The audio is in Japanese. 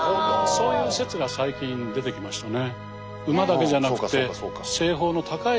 そういう説が最近出てきましたね。